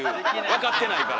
分かってないから。